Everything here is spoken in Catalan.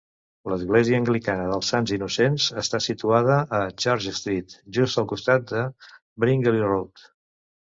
L'església anglicana dels Sants Innocents està situada a Church Street, just al costat de Bringelly Road.